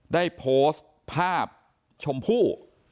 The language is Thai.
ได้โพสต์ภาพชมพู่